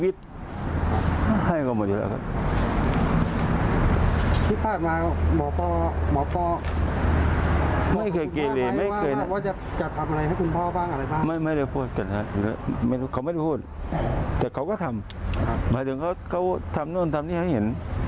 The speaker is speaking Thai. แต่เขาก็ทำหมายถึงเขาทำนู่นทำนี่ให้เห็น